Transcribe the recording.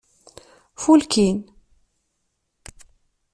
Fulkin.